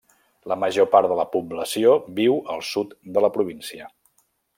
La major part de la població viu al sud de la província.